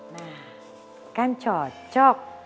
nah kan cocok